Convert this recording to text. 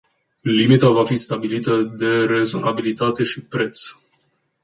Limita va fi stabilită de rezonabilitate și preț.